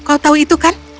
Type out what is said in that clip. kau tahu itu kan